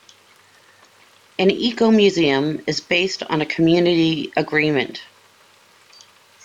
An Ecomuseum is based on a community agreement.